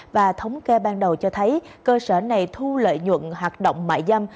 và thống kê ban đầu cho thấy cơ sở này thu lợi nhuận hoạt động mại dâm